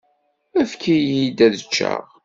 Efk-iyi-d ad ččeɣ.